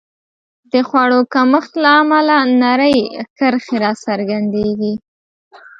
د خوړو کمښت له امله نرۍ کرښې راڅرګندېږي.